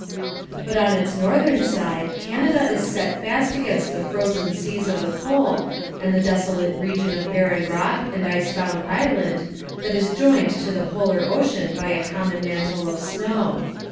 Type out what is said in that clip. But on its northern side Canada is set fast against the frozen seas of the Pole and the desolate region of barren rock and ice bound island that is joined to the polar ocean by a common mantle of snow.